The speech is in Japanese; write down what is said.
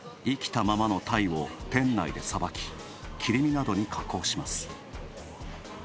生きたままの鯛を店内でさばき、切り身などに加工します。